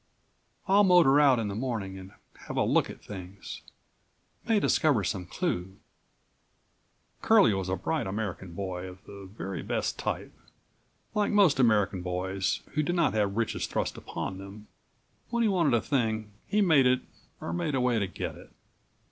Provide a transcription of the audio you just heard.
I'll motor out in the morning and have a look at things. May discover some clew." Curlie was a bright American boy of the very best type. Like most American boys who do not have riches thrust upon them, when he wanted a thing he made it or made a way to get it.